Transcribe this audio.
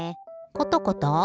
コトコト？